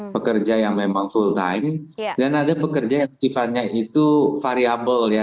pekerja yang memang full time dan ada pekerja yang sifatnya itu variable ya